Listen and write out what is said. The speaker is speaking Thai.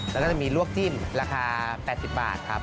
แล้วก็จะมีลวกจิ้มราคา๘๐บาทครับ